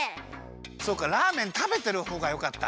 そうかラーメンたべてるほうがよかった？